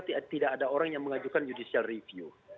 tidak ada orang yang mengajukan judicial review